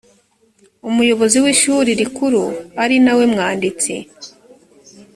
umuyobozi w ishuri rikuru ari nawe mwanditsi